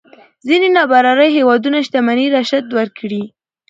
ځينې نابرابرۍ هېوادونو شتمنۍ رشد وکړي.